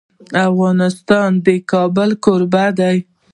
افغانستان د کابل کوربه دی.